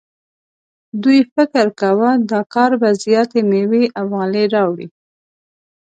دوی فکر کاوه دا کار به زیاتې میوې او غلې راوړي.